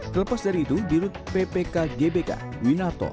terlepas dari itu dirut ppk gbk winato